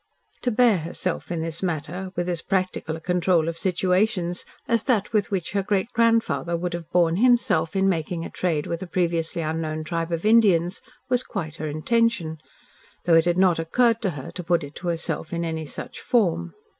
To bear herself in this matter with as practical a control of situations as that with which her great grandfather would have borne himself in making a trade with a previously unknown tribe of Indians was quite her intention, though it had not occurred to her to put it to herself in any such form.